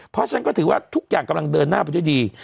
เพราะฉะนั้นก็ถือว่าทุกอย่างกำลังเดินหน้าไปด้วยดี